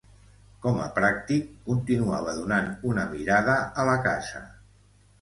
Com a pràctic, continuava donant una mirada a la casa.